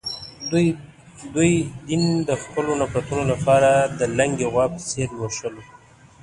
دوی دین یې د خپلو نفرتونو لپاره د لُنګې غوا په څېر لوشلو.